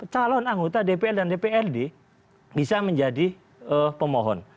calon anggota dpr dan dprd bisa menjadi pemohon